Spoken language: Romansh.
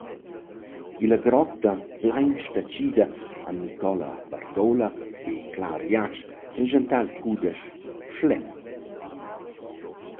Illa grotta plain stachida han Nicola Bardola e Clà Riatsch preschantà il cudesch «Schlemm».